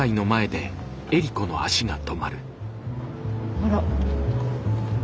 あら？